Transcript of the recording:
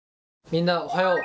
みんなおはよう。